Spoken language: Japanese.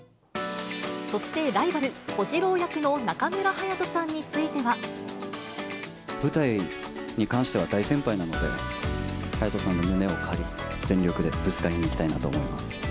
そして、ライバル、小次郎役の中村隼人さんについては。舞台に関しては大先輩なので、隼人さんの胸を借り、全力でぶつかりにいきたいなと思います。